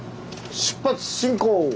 出発進行！